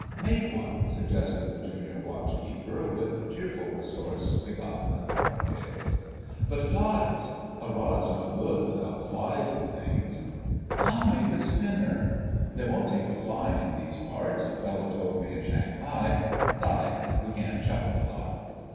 "Make one," suggested the Junior Watchkeeper, with cheerful resource begotten of cocktails. "But flies—? A rod's no good without flies and things." "I'll make a spinner. They won't take a fly in these parts, a fellow told me at Shanghai. 'Sides, we can't chuck a fly."